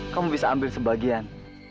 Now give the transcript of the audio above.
kamu bisa ambil sebagian